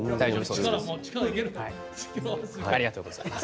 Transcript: ありがとうございます。